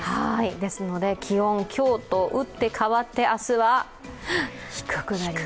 ですので、気温、今日と打って変わって、明日は、低くなります。